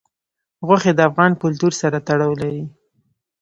غوښې د افغان کلتور سره تړاو لري.